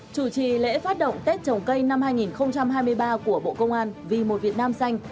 chủ trì lễ phát động tết trồng cây năm hai nghìn hai mươi ba của bộ công an vì một việt nam xanh